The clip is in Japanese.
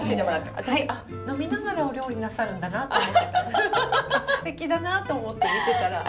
私あっ呑みながらお料理なさるんだなと思ってた。